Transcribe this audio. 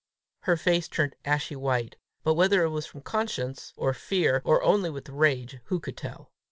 Her face turned ashy white; but whether it was from conscience or fear, or only with rage, who could tell!